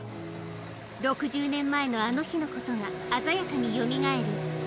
６０年前のあの日のことが鮮やかによみがえる。